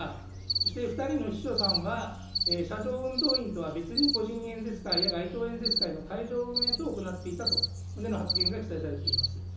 そして２人の秘書さんは、車上運動員とは個人演説会や会場演説会の会場運営等を行っていたという発言が記載されています。